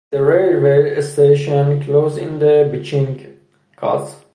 The railway station closed in the Beeching cuts.